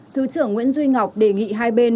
thứ trưởng nguyễn duy ngọc đề nghị hai bên